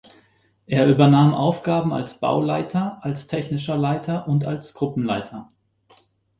Er übernahm Aufgaben als Bauleiter, als Technischer Leiter und als Gruppenleiter.